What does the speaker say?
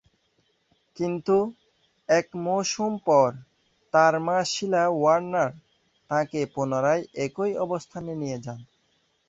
কিন্তু এক মৌসুম পর তার মা শিলা ওয়ার্নার তাকে পুনরায় একই অবস্থানে নিয়ে যান।